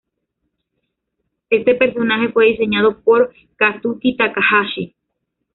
Este personaje fue diseñado por Kazuki Takahashi.